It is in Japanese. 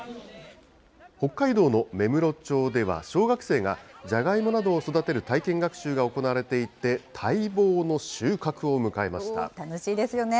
北海道の芽室町では、小学生がじゃがいもなどを育てる体験学習が行われていて、待望の楽しいですよね。